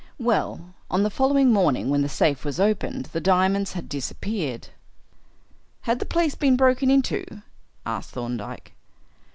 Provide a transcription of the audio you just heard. "Well, on the following morning, when the safe was opened, the diamonds had disappeared." "Had the place been broken into?" asked Thorndyke.